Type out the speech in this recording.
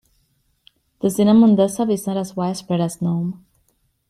The cinnamon desktop is not as widespread as gnome.